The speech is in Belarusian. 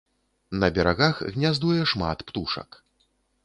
На берагах гняздуе шмат птушак.